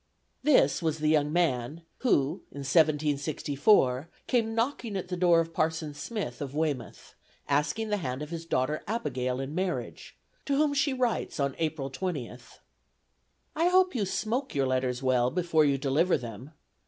This was the young man who, in 1764, came knocking at the door of Parson Smith of Weymouth, asking the hand of his daughter Abigail in marriage; to whom she writes on April 20th: "I hope you smoke your letters well, before you deliver them.